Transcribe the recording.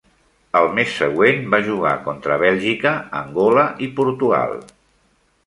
El mes següent va jugar contra Bèlgica, Angola i Portugal.